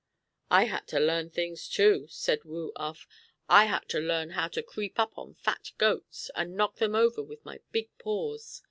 "I had to learn things too," said Woo Uff. "I had to learn how to creep up on fat goats, and knock them over with my big paws.